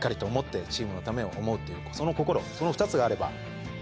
その心その２つがあれば。